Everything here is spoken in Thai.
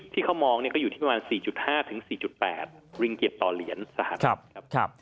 ที่เขามองก็อยู่ที่ประมาณ๔๕๔๘ริงเกียจต่อเหรียญสหรัฐครับ